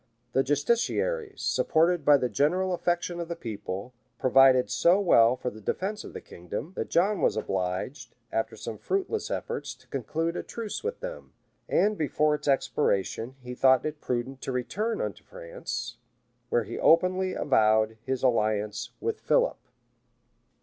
[*] The justiciaries, supported by the general affection of the people, provided so well for the defence of the kingdom, that John was obliged, after some fruitless efforts, to conclude a truce with them; and before its expiration, he thought it prudent to return into France, where he openly avowed his alliance with Philip.